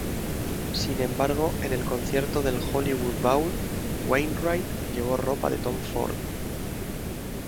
Sin embargo, en el concierto del Hollywood Bowl, Wainwright llevó ropa de Tom Ford.